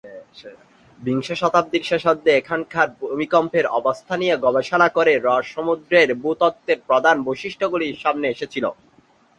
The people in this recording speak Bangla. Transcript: বিংশ শতাব্দীর শেষার্ধে এখানকার ভূমিকম্পের অবস্থা নিয়ে গবেষণা করে রস সমুদ্রের ভূতত্ত্বের প্রধান বৈশিষ্ট্যগুলি সামনে এসেছিল।